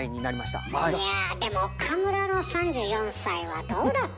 いやでも岡村の３４歳はどうだった？